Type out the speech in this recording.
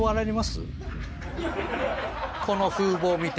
この風貌を見て。